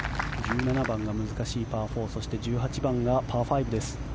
１７番が難しいパー４そして、１８番がパー５です。